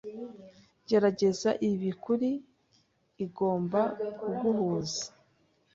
Gerageza ibi kuri. Igomba kuguhuza.